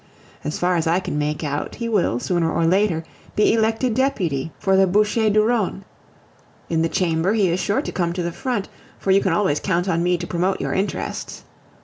As far as I can make out, he will, sooner or later, be elected deputy for the Bouches du Rhone; in the Chamber he is sure to come to the front, for you can always count on me to promote your interests.